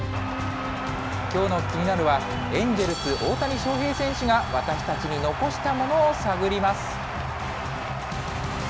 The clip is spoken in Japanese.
きょうのキニナル！は、エンジェルス、大谷翔平選手が、私たちにのこしたものを探ります。